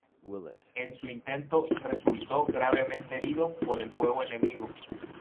En su intentó resultó gravemente herido por el fuego enemigo.